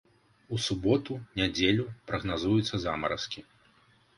У суботу, нядзелю прагназуюцца замаразкі.